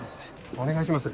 お願いします。